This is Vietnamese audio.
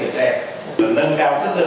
bảo vệ vô trường các thương tiện